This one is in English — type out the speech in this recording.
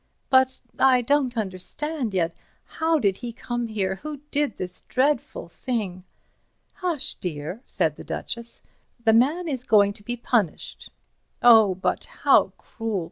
"But—I don't understand yet. How did he come here? Who did this dreadful thing?" "Hush, dear," said the Duchess, "the man is going to be punished." "Oh, but—how cruel!